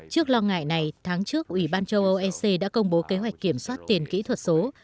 trước lo ngại này tháng trước ủy ban châu âu ec đã công bố kế hoạch kiểm soát tiền kỹ thuật số